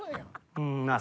うんまあ